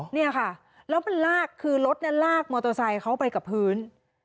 เนี่ยค่ะแล้วมันลากคือรถเนี่ยลากมอเตอร์ไซค์เขาไปกับพื้น